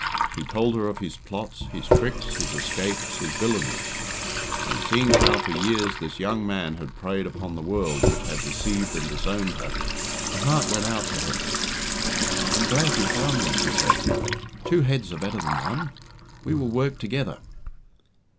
He told her of his plots, his tricks, his escapes, his villainies; and seeing how for years this young man had preyed upon the world which had deceived and disowned her, her heart went out to him. "I am glad you found me," she said. "Two heads are better than one. We will work together."